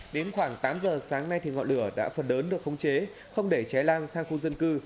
đến khoảng tám giờ sáng nay thì ngọn lửa đã phần lớn được khống chế không để cháy lan sang khu dân cư